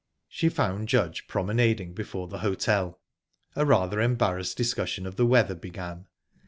She found Judge promenading before the hotel. A rather embarrassed discussion of the weather began.